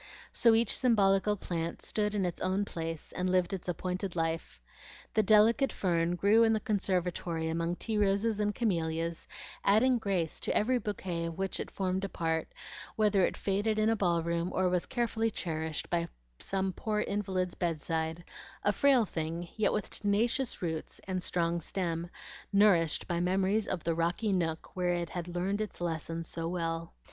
So each symbolical plant stood in its own place, and lived its appointed life. The delicate fern grew in the conservatory among tea roses and camelias, adding grace to every bouquet of which it formed a part, whether it faded in a ball room, or was carefully cherished by some poor invalid's bed side, a frail thing, yet with tenacious roots and strong stem, nourished by memories of the rocky nook where it had learned its lesson so well.